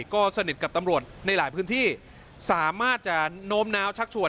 ก็สนิทกับตำรวจในหลายพื้นที่สามารถจะโน้มน้าวชักชวน